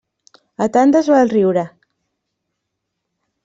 A tandes va el riure.